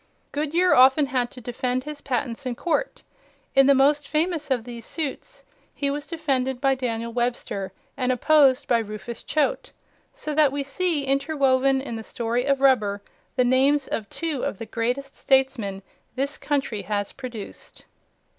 Goodyear often had to defend his patents in court. In the most famous of these suits, he was defended by Daniel Webster and opposed by Rufus Choate, so that we see interwoven in the story of rubber the names of two of the greatest statesmen this country has produced.